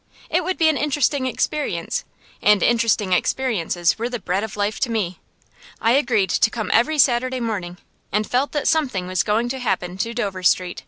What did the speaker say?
It would be an interesting experience, and interesting experiences were the bread of life to me. I agreed to come every Saturday morning, and felt that something was going to happen to Dover Street.